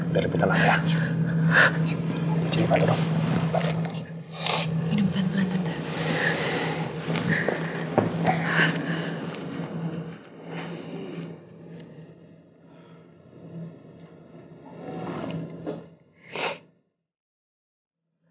udah lebih tenang ya